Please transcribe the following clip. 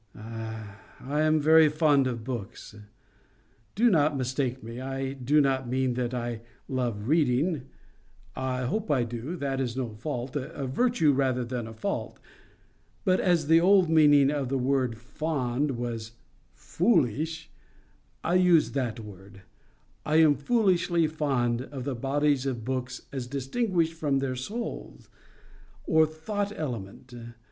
I am very fond of books. Do not mistake me. I do not mean that I love reading. I hope I do. That is no fault—a virtue rather than a fault. But, as the old meaning of the word FOND was FOOLISH, I use that word: I am foolishly fond of the bodies of books as distinguished from their souls, or thought element.